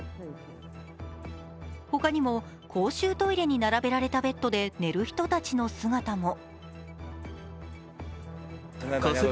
他にも公衆トイレに並べられたベッドで寝る人たちの姿も。